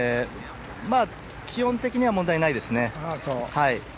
気温的には問題ないですね。